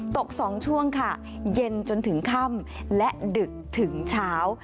ตก๒ช่วงค่ะเย็นจนถึงค่ำและดึกถึงเช้า